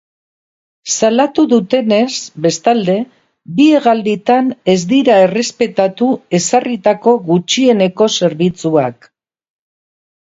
Salatu dutenez, bestalde, bi hegalditan ez dira errespetatu ezarritako gutxieneko zerbitzuak.